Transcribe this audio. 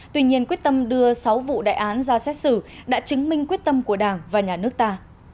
tuy nhiên quyết tâm đưa sáu vụ đại án ra xét xử đã chứng minh quyết tâm của đảng và nhà nước ta